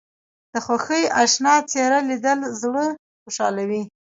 د خوښۍ اشنا څېره لیدل زړه خوشحالوي